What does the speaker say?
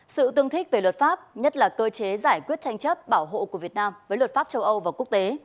sự tương thích về luật pháp nhất là cơ chế giải quyết tranh chấp bảo hộ của việt nam với luật pháp châu âu và quốc tế